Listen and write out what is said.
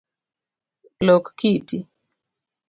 Lok kiti